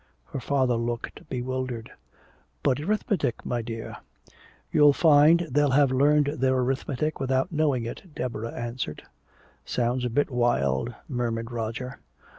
Her father looked bewildered. "But arithmetic, my dear." "You'll find they'll have learned their arithmetic without knowing it," Deborah answered. "Sounds a bit wild," murmured Roger.